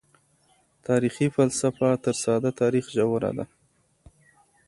تاريخي فلسفه تر ساده تاريخ ژوره ده.